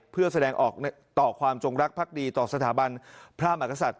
เพื่อแสดงออกต่อความจงรักภักดีต่อสถาบันพระมหากษัตริย